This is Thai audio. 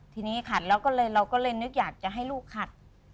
ทีนี้ขัดแล้วก็เลยเราก็เลยนึกอยากจะให้ลูกขัด